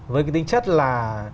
với tính chất là